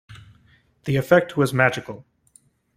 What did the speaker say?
The effect was magical.